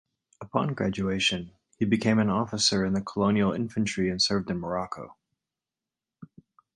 Upon graduation he became an officer in the Colonial Infantry and served in Morocco.